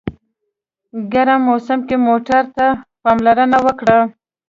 ګرم موسم کې موټر ته پاملرنه وکړه.